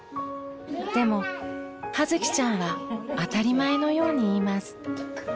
でも葉月ちゃんは当たり前のように言います。